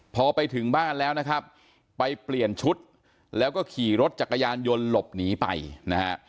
พอไปถึงบ้านแล้วนะครับไปเปลี่ยนชุดแล้วก็ขี่รถจักรยานยนต์หลบหนีไปนะฮะ